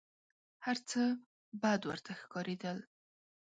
هر څه بد ورته ښکارېدل .